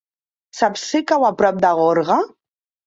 Saps si cau a prop de Gorga?